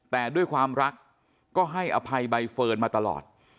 แต่ด้วยความรักก็ให้อภัยใบเฟิร์นมาตลอด